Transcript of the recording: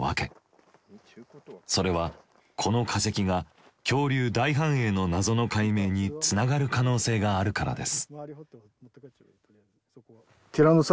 それはこの化石が恐竜大繁栄の謎の解明につながる可能性があるからです。